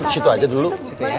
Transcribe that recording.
situ aja dulu